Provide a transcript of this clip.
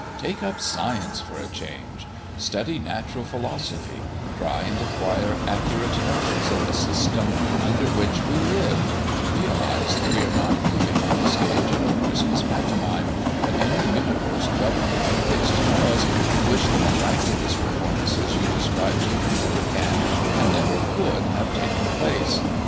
Take up science, for a change; study natural philosophy; try and acquire accurate notions of the system under which we live; realise that we are not moving on the stage of a Christmas pantomime, but in a universe governed by fixed laws, in which the miraculous performances you describe to me never can, and never could, have taken place.